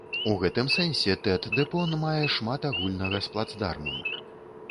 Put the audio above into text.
У гэтым сэнсе, тэт-дэ-пон мае шмат агульнага з плацдармам.